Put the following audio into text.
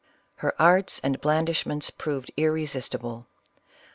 Her arts and blandishments proved irresistible.